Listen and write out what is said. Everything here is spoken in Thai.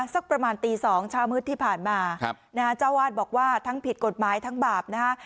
สักประมาณตีสองเช้ามืดที่ผ่านมาครับนะฮะเจ้าวาดบอกว่าทั้งผิดกฎหมายทั้งบาปนะฮะ